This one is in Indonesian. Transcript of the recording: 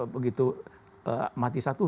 begitu mati satu